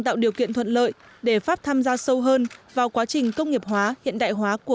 tạo điều kiện thuận lợi để pháp tham gia sâu hơn vào quá trình công nghiệp hóa hiện đại hóa của